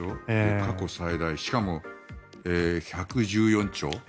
過去最大、しかも１１４兆。